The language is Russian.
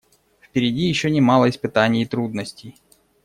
Впереди еще немало испытаний и трудностей.